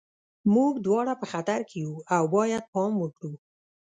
موږ دواړه په خطر کې یو او باید پام وکړو